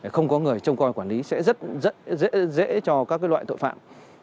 không có người trông coi quản lý sẽ rất dễ cho các loại tội phạm